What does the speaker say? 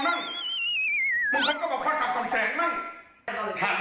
มันขนาดก้อปพอร์ตสาวสำแสงมั้ง